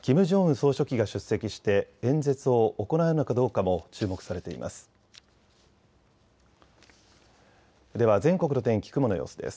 総書記が出席して演説を行うのかどうかも注目されています。